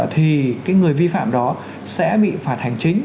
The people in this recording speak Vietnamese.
thì cái người vi phạm đó sẽ bị phạt hành chính